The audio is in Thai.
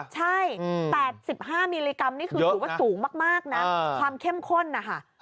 ใช่๘๕มิลลิกรัมนี่คือถือว่าสูงมากนะความเข้มข้นนะคะ